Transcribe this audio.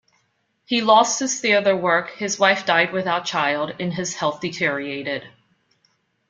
He lost his theater work, his wife died without child, and his health deteriorated.